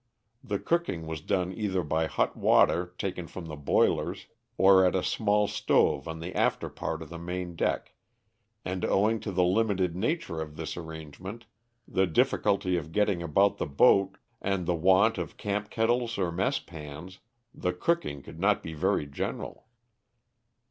The cooking was done either by hot water taken from the boilers or at a small stove on the after part of the main deck, and owing to the limited nature of this arrangement, the difficulty of getting about the boat, and the want of camp kettles or mess pans, the cooking could not be very general.